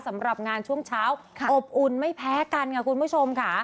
สำหรับงานช่วงเช้าอบอุ่นไม่แพ้กันค่ะคุณผู้ชมค่ะ